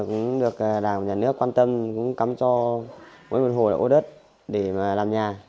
cũng được đảng nhà nước quan tâm cũng cắm cho mỗi một hồ là ô đất để làm nhà